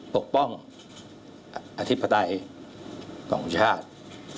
ปกป้องอธิปไตยของชาติ